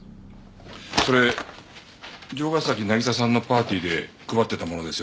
それ城ヶ崎渚さんのパーティーで配っていたものですよね？